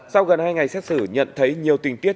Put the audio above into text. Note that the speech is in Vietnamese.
sau gần hai ngày xét xử nhận thấy nhiều tình tiết